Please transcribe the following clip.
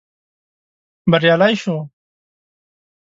بريالي شوو.